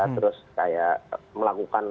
terus kayak melakukan